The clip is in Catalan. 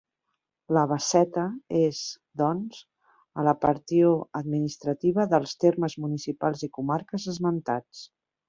La Basseta és, doncs, a la partió administrativa dels termes municipals i comarques esmentats.